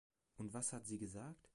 Und was hat sie gesagt?